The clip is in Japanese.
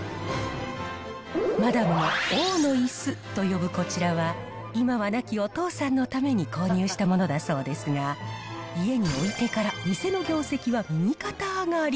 マダムが王のいすと呼ぶこちらは、今は亡きお父さんのために購入したものだそうですが、家に置いてから、店の業績は右肩上がり。